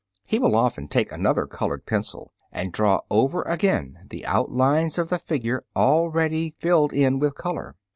He will often take another colored pencil and draw over again the outlines of the figure already filled in with color.